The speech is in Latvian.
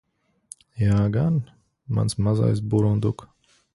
Jā gan, mans mazais burunduk.